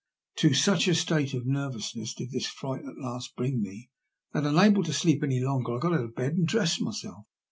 To such a state of nervousness did this fright at last bring me that, unable to sleep any longer, I got out of bed and dressed myself.